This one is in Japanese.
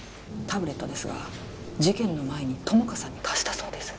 タブレットですが事件の前に友果さんに貸したそうです